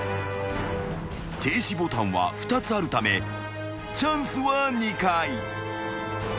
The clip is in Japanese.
［停止ボタンは２つあるためチャンスは２回］